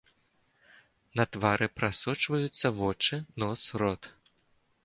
На твары прасочваюцца вочы, нос, рот.